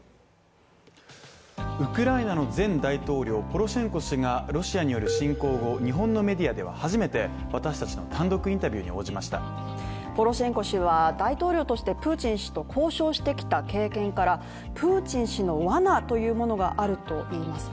ウクライナの前大統領、ポロシェンコ氏がロシアによる侵攻後、日本のメディアでは初めて私達の単独インタビューに応じましたポロシェンコ氏は大統領としてプーチン氏と交渉してきた経験から、プーチン氏の罠というものがあるといいます。